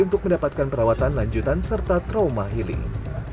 untuk mendapatkan perawatan lanjutan serta trauma healing